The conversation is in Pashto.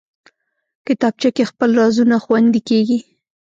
کتابچه کې خپل رازونه خوندي کېږي